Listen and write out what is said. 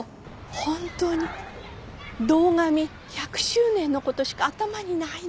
本当に堂上１００周年の事しか頭にないのよ。